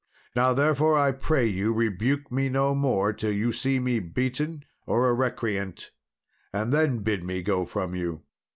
Now, therefore, I pray you rebuke me no more till you see me beaten or a recreant, and then bid me go from you."